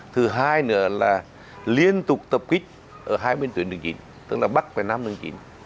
thứ hai nữa là liên tục tập kích ở hai bên tuyến đường chính tức là bắc và nam đường chín